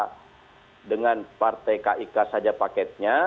karena dengan partai kik saja paketnya